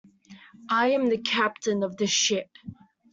I am the captain of the ship.